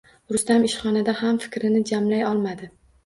Rustam ishxonada ham fikrini jamlay olmadi